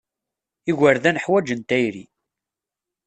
Igerdan ḥwajen tayri.